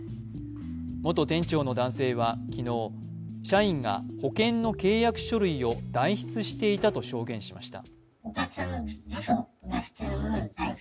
元店長の男性は昨日、社員が保険の契約書類を代筆していたと証言しました。